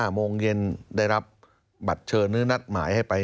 โมงเย็นได้รับบัตรเชิญหรือนัดหมายให้ไป